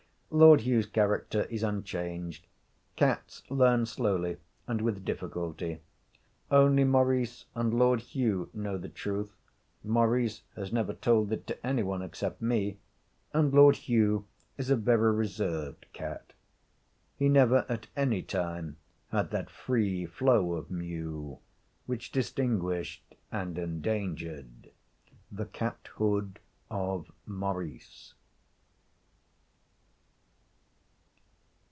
Lord Hugh's character is unchanged. Cats learn slowly and with difficulty. Only Maurice and Lord Hugh know the truth Maurice has never told it to any one except me, and Lord Hugh is a very reserved cat. He never at any time had that free flow of mew which distinguished and endangered the cat hood of Maurice.